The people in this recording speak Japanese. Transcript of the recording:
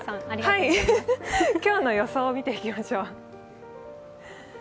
今日の予想を見ていきましょう。